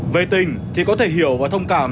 về tình thì có thể hiểu và thông cảm